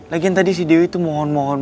lagi yang tadi si dewi tuh mohon mohon